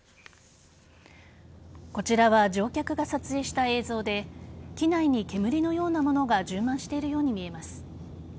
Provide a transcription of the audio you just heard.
こちらは乗客が撮影した映像で機内に煙のようなものが充満しているように見えます。